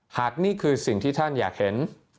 นี่คือสิ่งที่ท่านอยากเห็น